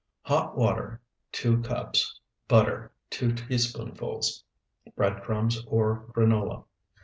Hot water, 2 cups. Butter, 2 teaspoonfuls. Bread crumbs or granola.